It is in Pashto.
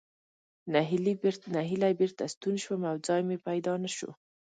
نهیلی بېرته ستون شوم او ځای مې پیدا نه شو.